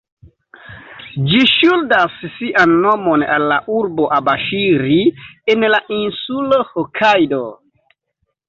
Ĝi ŝuldas sian nomon al la urbo Abaŝiri en la insulo Hokajdo.